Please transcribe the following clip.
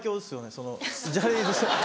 そのジャニーズ。